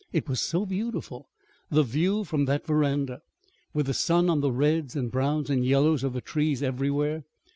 It was so beautiful the view from that veranda, with the sun on the reds and browns and yellows of the trees everywhere!